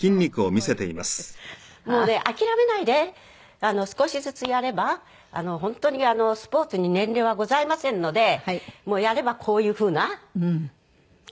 もうね諦めないで少しずつやれば本当にスポーツに年齢はございませんのでやればこういうふうな体になりますのでね。